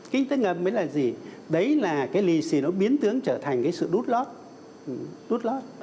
kinh tế ngầm mới là gì đấy là cái lì xì nó biến tướng trở thành cái sự đút lót